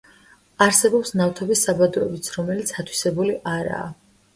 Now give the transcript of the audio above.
არსებობს ნავთობის საბადოებიც, რომელიც ათვისებული არაა.